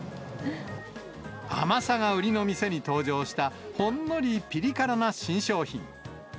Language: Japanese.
甘さが売りの店に登場した、ほんのりぴり辛な新商品。